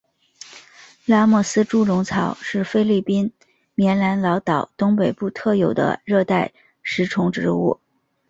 拉莫斯猪笼草是菲律宾棉兰老岛东北部特有的热带食虫植物。